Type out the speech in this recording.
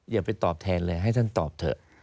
อย่าไปตอบแทนเลยให้ท่านตอบเถอะ